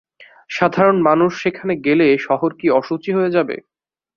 সাধারণ মানুষ সেখানে গেলে শহর কি অশুচি হয়ে যাবে?